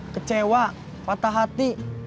kecewa patah hati